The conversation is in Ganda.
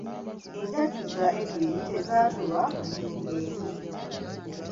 Enjatuza ebbiri tezaatulirwa mu nnyingo emu.